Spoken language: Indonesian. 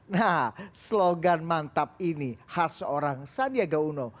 nah slogan mantap ini khas seorang sandiaga uno